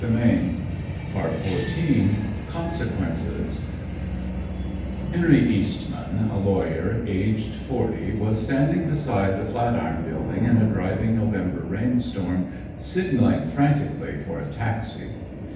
McClure's, August 1912 Consequences Henry Eastman, a lawyer, aged forty, was standing beside the Flatiron building in a driving November rainstorm, signaling frantically for a taxi.